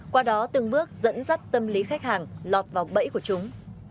qua đó từng bước dẫn dắt tâm lý khách hàng lọt vào bẫy của chúng